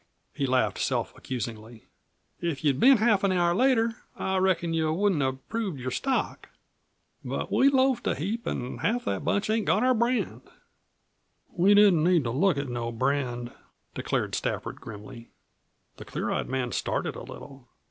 He laughed self accusingly. "If you'd been half an hour later, I reckon you wouldn't have proved your stock, but we loafed a heap, an' half of that bunch ain't got our brand." "We didn't need to look at no brand," declared Stafford grimly. The clear eyed man started a little.